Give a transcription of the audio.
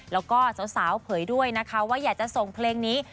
แล้วก็สาวเผยด้วยนะคะว่าอยากจะส่งเพลงนี้